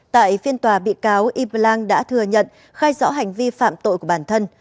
tại phiên tòa bị cáo y blang đã thừa nhận khai rõ hành vi phạm tội của bản thân